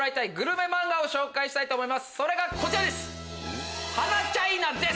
それがこちらです！